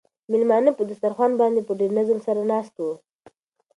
مېلمانه په دسترخوان باندې په ډېر نظم سره ناست وو.